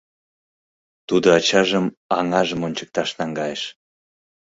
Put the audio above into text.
Тудо ачажым аҥажым ончыкташ наҥгайыш.